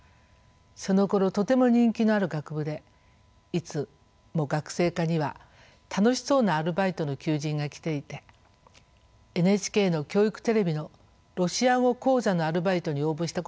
そのころとても人気のある学部でいつも学生課には楽しそうなアルバイトの求人が来ていてＮＨＫの教育テレビの「ロシア語講座」のアルバイトに応募したこともありました。